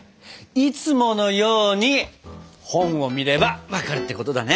いつものように本を見れば分かるってことだね。